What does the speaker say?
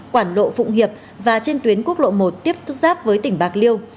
quản lộ phụng hiệp và trên tuyến quốc lộ một tiếp thúc giáp với tỉnh bạc liêu